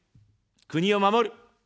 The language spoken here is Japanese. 国を守る。